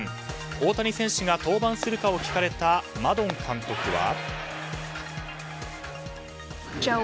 大谷選手が登板するかを聞かれたマドン監督は。